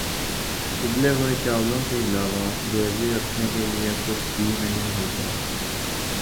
اُبلے ہوئے چاولوں کے علاوہ گروی رکھنے کے لیے کچھ بھی نہیں ہوتا